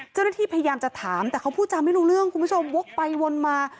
เจ้าหน้าที่พยายามจะถามแต่เขาพูดจำไม่รู้เรื่องคุณผู้ชมวกไปวนมา